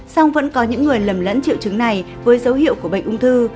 song vẫn có những người lầm lẫn triệu chứng này với dấu hiệu của bệnh ung thư